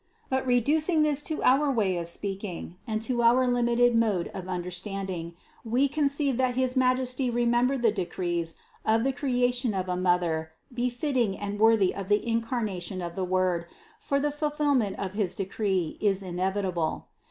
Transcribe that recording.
But reducing this to our way of speak ing and to our limited mode of understanding, we con ceive that his Majesty remembered the decrees of the creation of a Mother befitting and worthy of the Incar nation of the Word, for the fulfillment of his decree is inevitable.